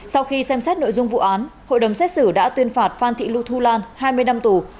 sau khi xem xét nội dung vụ án hội đồng xét xử đã tuyên phạt phan thị lu thu lan hai mươi năm tù